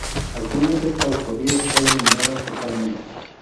Actualmente esta autovía está iluminada totalmente.